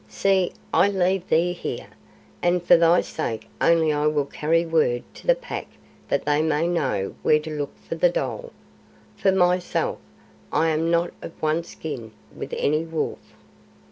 See, I leave thee here, and for thy sake only I will carry word to the Pack that they may know where to look for the dhole. For myself, I am not of one skin with ANY wolf."